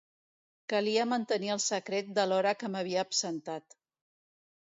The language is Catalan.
Calia mantenir el secret de l'hora que m'havia absentat.